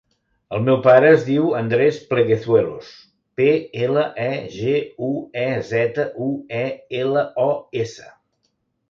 El meu pare es diu Andrés Pleguezuelos: pe, ela, e, ge, u, e, zeta, u, e, ela, o, essa.